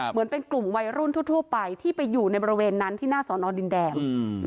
เหมือนเป็นกลุ่มวัยรุ่นทั่วไปที่ไปอยู่ในบริเวณนั้นที่หน้าสอนอดินแดง